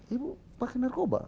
ibu pakai narkoba